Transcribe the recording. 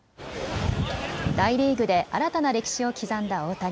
大リーグで新たな歴史を刻んだ大谷。